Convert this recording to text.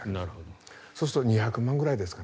そうすると２００万ぐらいですかね